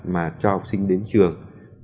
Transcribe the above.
mà cho học sinh đến trường